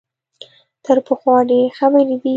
تر پخوا ډېرې خبرې دي.